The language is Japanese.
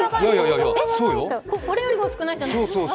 これよりも少ないじゃないですか。